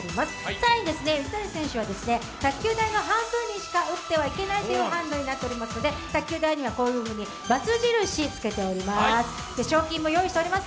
更に水谷選手は卓球台の半分にしか打ってはいけないというハンデになってますので卓球台には×印をつけております。